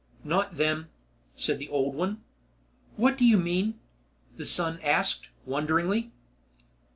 "Not them," said the old one. "What do you mean?" the son asked, wonderingly.